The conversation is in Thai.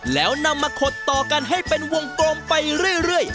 แล้วนำมาขดต่อกันให้เป็นวงกลมไปเรื่อย